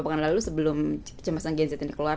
minggu lalu sebelum kecemasan gen z ini keluar